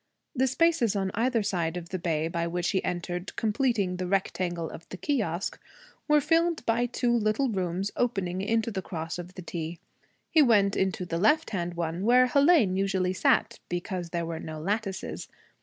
The spaces on either side of the bay by which he entered, completing the rectangle of the kiosque, were filled by two little rooms opening into the cross of the T. He went into the left hand one, where Hélène usually sat because there were no lattices.